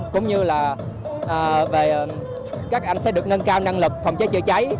cũng như là các anh sẽ được nâng cao năng lực phòng chế chơi cháy